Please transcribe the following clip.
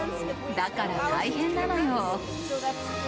だから大変なのよ。